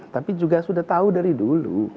tapi juga sudah tahu dari dulu